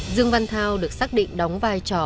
dương văn thao được xác định đóng vai trò